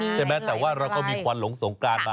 ใช่ไหมแต่ว่าเราก็มีควันหลงสงกรานมา